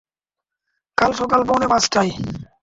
কাল সকাল পৌনে পাচটায়।